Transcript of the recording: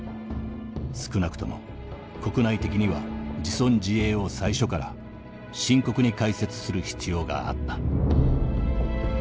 少なくとも国内的には自存自衛を最初から深刻に解説する必要があった」。